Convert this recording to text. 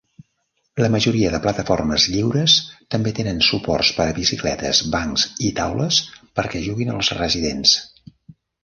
La majoria de plataformes lliures també tenen suports per a bicicletes, bancs i taules perquè juguin els residents.